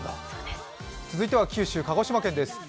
続いては九州、鹿児島県です。